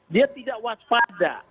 dia tidak waspada